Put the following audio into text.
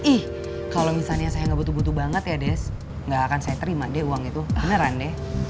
ih kalau misalnya saya gak butuh butuh banget ya des gak akan saya terima deh uang itu beneran deh